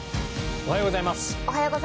おはようございます。